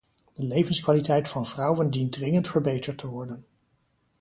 De levenskwaliteit van vrouwen dient dringend verbeterd te worden.